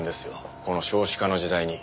この少子化の時代に。